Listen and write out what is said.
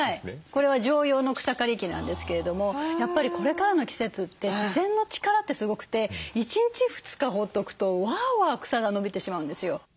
これは常用の草刈り機なんですけれどもやっぱりこれからの季節って自然の力ってすごくて１日２日放っとくとわあわあ草が伸びてしまうんですよ。